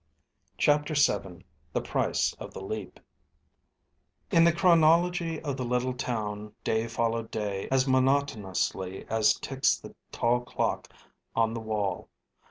CHAPTER VII THE PRICE OF THE LEAP In the chronology of the little town, day followed day, as monotonously as ticks the tall clock on the wall.